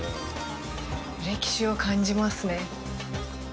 歴史を感じますね。